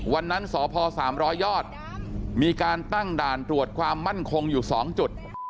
วันนั้นสภสามร้อยยอดมีการตั้งด่านรวดความมั่นคงอยู่สองจุด